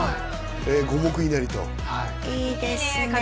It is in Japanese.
五目いなりといいですねいいね